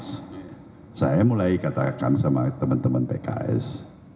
saya mulai katakan sama teman teman pks